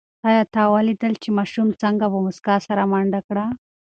آیا تا ولیدل چې ماشوم څنګه په موسکا سره منډه کړه؟